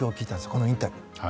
このインタビューで。